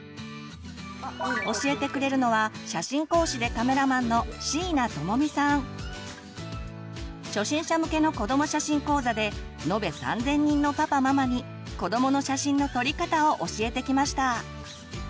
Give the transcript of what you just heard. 教えてくれるのは初心者向けの子ども写真講座で延べ３，０００人のパパママに子どもの写真の撮り方を教えてきました。